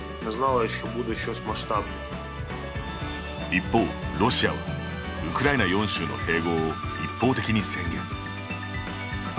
一方、ロシアはウクライナ４州の併合を一方的に宣言。